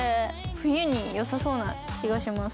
冬に良さそうな気がします。